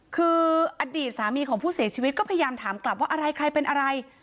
คืออดีตสามีของผู้เสียชีวิตก็พยายามถามกลับว่าอะไรใครเป็นอะไร